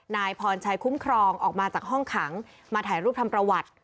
นายพรชัยคุ้มครองออกมาจากห้องขังมาถ่ายรูปทำประวัติ